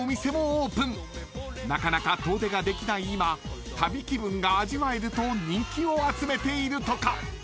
［なかなか遠出ができない今旅気分が味わえると人気を集めているとか］